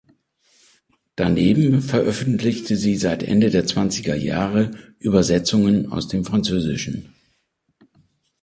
Daneben veröffentlichte sie seit Ende der Zwanzigerjahre Übersetzungen aus dem Französischen.